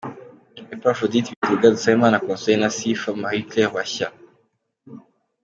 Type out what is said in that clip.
Eppaphrodite Bitega, Dusabimana Consolé, na Sifa Marie Claire bashya.